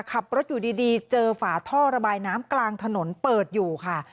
ขับรถอยู่ดีเจอฝาท่อระบายน้ำกลางถนนเปิดอยู่ค่ะ